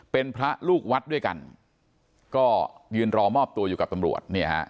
เป็นพระลูกวัดด้วยกันก็ยืนรอมอบตัวอยู่กับตำรวจเนี่ยฮะ